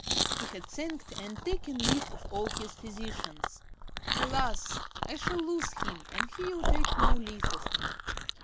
He had thanked and taken leave of all his physicians. Alas! I shall lose him, and he will take no leave of me.